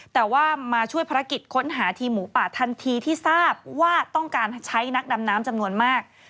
แต่ว่ามาช่วยภารกิจค้นหาทีมหมูป่าทันทีที่ทราบว่าต้องการใช้นักดำน้ำจำนวนมาก